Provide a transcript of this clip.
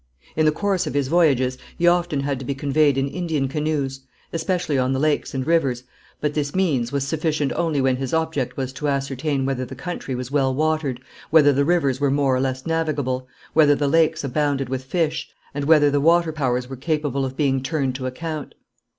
In the course of his voyages he often had to be conveyed in Indian canoes, especially on the lakes and rivers, but this means was sufficient only when his object was to ascertain whether the country was well watered, whether the rivers were more or less navigable, whether the lakes abounded with fish, and whether the water powers were capable of being turned to account.